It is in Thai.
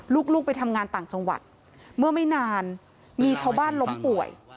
ลูกไปทำงานต่างจังหวัดเมื่อไม่นานมีชาวบ้านล้มป่วย